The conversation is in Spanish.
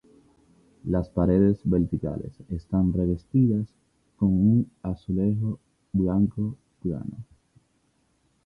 Las paredes verticales están revestidas con un azulejo blanco plano.